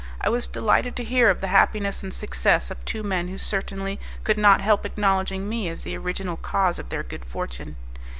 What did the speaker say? I was delighted to hear of the happiness and success of two men who certainly could not help acknowledging me as the original cause of their good fortune.